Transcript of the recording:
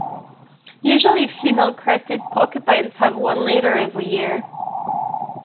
Usually, female crested porcupines have one litter every year.